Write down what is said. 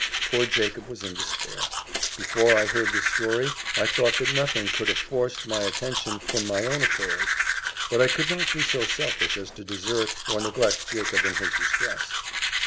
Poor Jacob was in despair. Before I heard this story, I thought that nothing could have forced my attention from my own affairs; but I could not be so selfish as to desert or neglect Jacob in his distress.